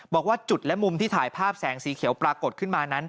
บอกว่าจุดและมุมที่ถ่ายภาพแสงสีเขียวปรากฏขึ้นมานั้น